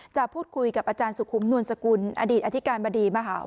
จะพูดคุยกับอาจารย์สุขุมนวลสกุลอดีตอธิการบดีมหาว